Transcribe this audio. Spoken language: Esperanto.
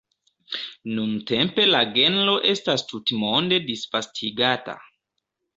Nuntempe la genro estas tutmonde disvastigata.